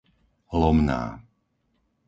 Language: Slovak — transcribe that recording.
Lomná